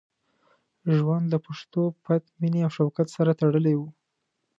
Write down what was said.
ژوند له پښتو، پت، مینې او شوکت سره تړلی وو.